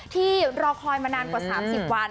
ที่รอคอยมานานกว่า๓๐วัน